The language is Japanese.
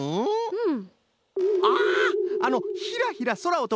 うん。